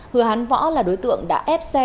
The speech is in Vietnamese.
hứa hán võ là đối tượng đã ép xe